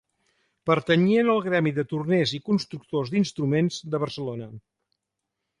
Pertanyien al gremi de torners i constructors d'instruments de Barcelona.